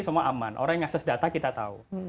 semua aman orang yang akses data kita tahu